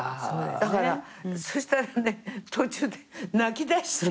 だからそしたらね途中で泣きだして。